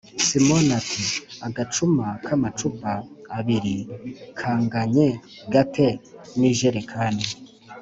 simoni ati "agacuma k'amacupa abiri kanganye gate n'ijerekani